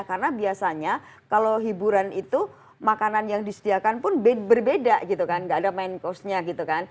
karena biasanya kalau hiburan itu makanan yang disediakan pun berbeda tidak ada main course nya